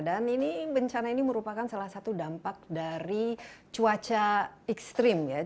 dan ini bencana ini merupakan salah satu dampak dari cuaca ekstrim ya